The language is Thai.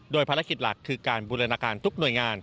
ภารกิจหลักคือการบูรณาการทุกหน่วยงาน